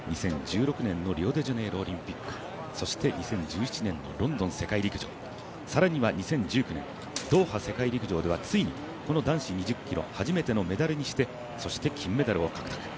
２０１６年のリオデジャネイロオリンピック、そして２０１７年のロンドン世界陸上更には２０１９年、ドーハ世界陸上ではついにこの男子２０ｋｍ、初めてのメダルにしてそして金メダルを獲得。